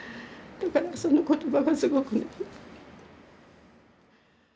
だからその言葉がすごくね。